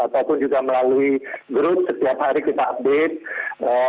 ataupun juga melalui grup setiap hari kita update